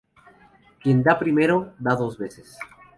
Quien da primero, da dos veces